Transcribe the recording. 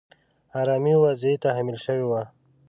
آرامي وضعې تحمیل شوې وه.